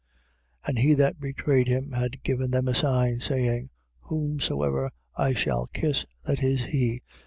14:44. And he that betrayed him had given them a sign, saying: Whomsoever I shall kiss, that is he.